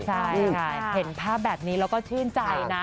ใช่เห็นภาพแบบนี้เราก็ชื่นใจนะ